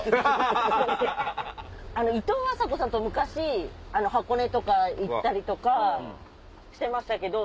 いとうあさこさんと昔箱根とか行ったりとかしてましたけど。